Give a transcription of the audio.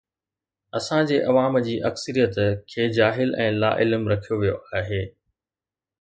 اسان جي عوام جي اڪثريت کي جاهل ۽ لاعلم رکيو ويو آهي.